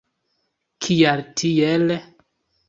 Kial tiel?